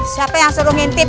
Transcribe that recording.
siapa yang suruh ngintip